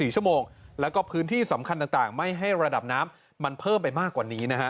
๔ชั่วโมงแล้วก็พื้นที่สำคัญต่างไม่ให้ระดับน้ำมันเพิ่มไปมากกว่านี้นะฮะ